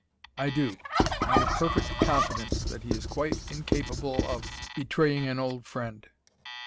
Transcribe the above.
"I do. I have perfect confidence that he is quite incapable of betraying an old friend."